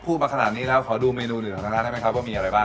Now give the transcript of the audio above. มาขนาดนี้แล้วขอดูเมนูหนึ่งของทางร้านได้ไหมครับว่ามีอะไรบ้าง